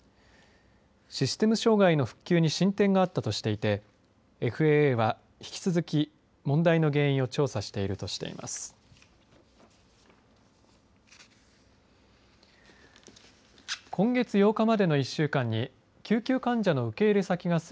システム障害の復旧に進展があったとしていてＦＡＡは引き続き問題の原因を調査しているとしています。